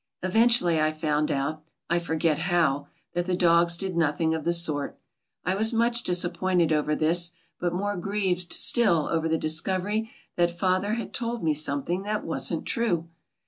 Eventually I found out, I forget how, that the dogs did nothing of the sort. I was much disappointed over this but more grieved still over the discovery that Father had told me something that wasn't true.